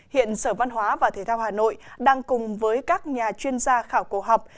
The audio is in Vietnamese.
hiện sở văn hóa và thể thao hà nội đang cùng với các nhà chuyên gia khảo cổ học